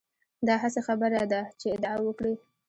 دا هسې خبره ده چې ادعا وکړي.